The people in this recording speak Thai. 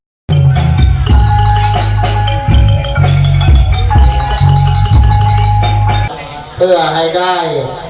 สวัสดีทุกคน